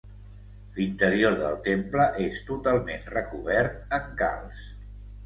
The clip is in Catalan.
L'interior del temple és totalment recobert en calç.